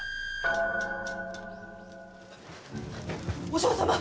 お嬢様！